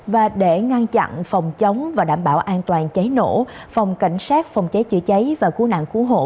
và để ngăn chặn phòng chống và đảm bảo an toàn cháy nổ phòng cảnh sát phòng cháy chữa cháy và cứu nạn cứu hộ